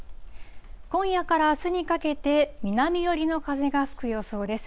今夜からあすにかけて、南寄りの風が吹く予想です。